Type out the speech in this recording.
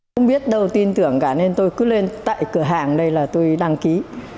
không biết đâu tin tưởng cả nên tôi cứ lên tại cửa hàng đây là tôi đăng ký